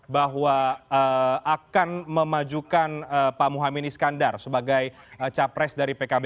bahwa akan memajukan pak muhaymin iskandar sebagai capres dari pkb